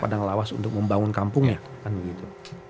padang lawas untuk membangun kampungnya kan begitu